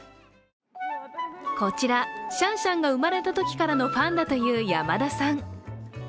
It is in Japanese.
こちら、シャンシャンが生まれたときからのファンだという山田さん。